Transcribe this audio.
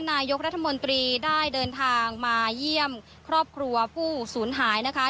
นายกรัฐมนตรีได้เดินทางมาเยี่ยมครอบครัวผู้สูญหายนะคะ